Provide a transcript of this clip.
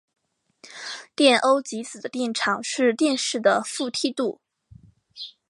电偶极子的电场是电势的负梯度。